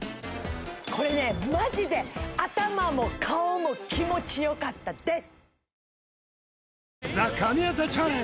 これねマジで頭も顔も気持ちよかったです！